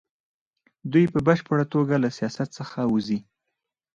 دوی په بشپړه توګه له سیاست څخه وځي.